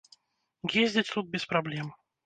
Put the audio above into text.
Ездзяць тут без праблем.